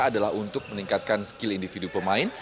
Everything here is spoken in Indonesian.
adalah untuk meningkatkan skill individu pemain